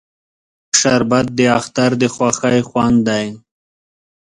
شربت د اختر د خوښۍ خوند دی